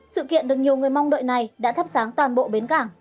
sự kiện được nhiều người mong đợi này đã thắp sáng toàn bộ bến cảng